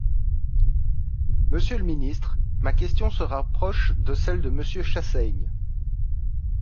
Monsieur le ministre, ma question se rapproche de celle de Monsieur Chassaigne.